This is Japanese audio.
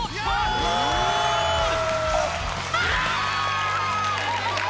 ゴール！